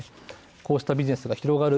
こうしたビジネスが広がる